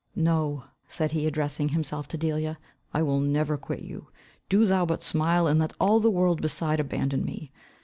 No," said he, addressing himself to Delia, "I will never quit you. Do thou but smile, and let all the world beside abandon me.